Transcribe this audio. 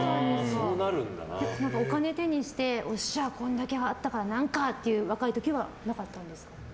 お金を手にしてよっしゃ、これだけあったら何か！っていう若い時はなかったんですか？